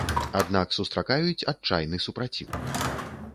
Аднак сустракаюць адчайны супраціў.